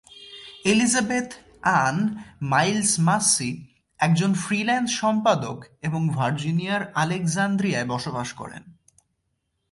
Elizabeth Ann Miles Massey একজন freelance সম্পাদক এবং ভার্জিনিয়ার আলেকজান্দ্রিয়ায় বসবাস করেন।